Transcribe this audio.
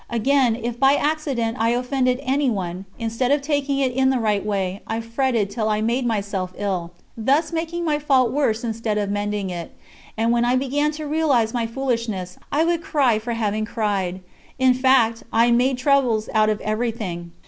Again, if by accident I offended anyone, instead of taking it in the right way, I fretted till I made myself ill, thus making my fault worse, instead of mending it; and when I began to realise my foolishness, I would cry for having cried. In fact, I made troubles out of everything.